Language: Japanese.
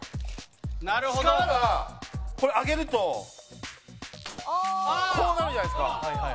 力がこれ上げるとこうなるじゃないですか。